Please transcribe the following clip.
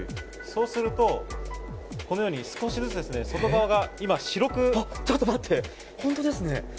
そうすると、このように少しずつ外側が今、ちょっと待って、本当ですね。